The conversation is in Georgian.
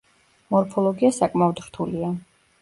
მორფოლოგია საკმაოდ რთულია.